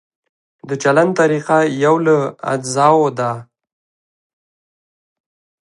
د چلند طریقه یو له اجزاوو ده.